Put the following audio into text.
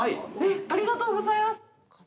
ありがとうございます。